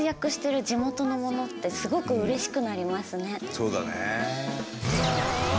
そうだね。